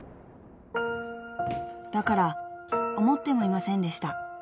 ［だから思ってもいませんでした］